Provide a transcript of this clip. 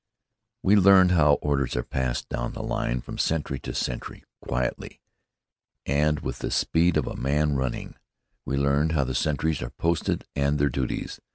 We learned how orders are passed down the line, from sentry to sentry, quietly, and with the speed of a man running. We learned how the sentries are posted and their duties.